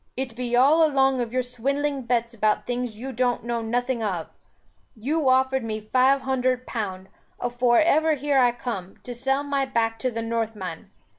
It be all along of your swindling bets about things you don't know nothing of. You offered me five hunder pound, afore ever here I come, to sell my back to the Northman.